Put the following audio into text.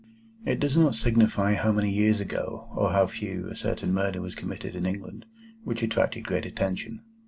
It does not signify how many years ago, or how few, a certain murder was committed in England, which attracted great attention.